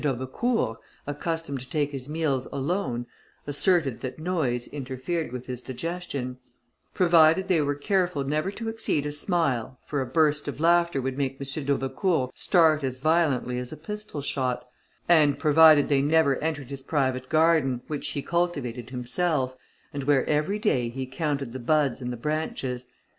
d'Aubecourt, accustomed to take his meals alone, asserted that noise interfered with his digestion; provided they were careful never to exceed a smile, for a burst of laughter would make M. d'Aubecourt start as violently as a pistol shot; and provided they never entered his private garden, which he cultivated himself, and where every day he counted the buds and the branches.